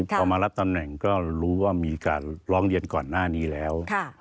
พอมารับตำแหน่งก็รู้ว่ามีการร้องเรียนก่อนหน้านี้แล้ว